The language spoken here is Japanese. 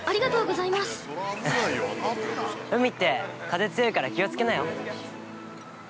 海って風強いから気をつけなよ。